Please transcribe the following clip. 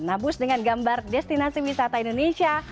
nabus dengan gambar destinasi wisata indonesia